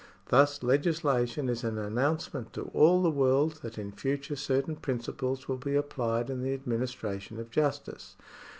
Thus legislation is an announcement to all the world that in future certain prin ciples will be applied in the administration of justice.